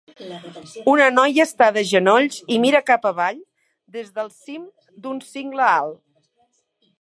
Una noia està de genolls i mira cap avall des del cim d'un cingle alt.